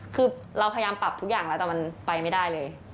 คือเราพยายามปรับทุกอย่างแล้วแต่มันไปไม่ได้เลย